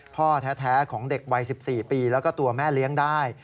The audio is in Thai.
พ่อแท้ของเด็กวัย๑๔ปีแล้วก็ตัวแม่เลี้ยงได้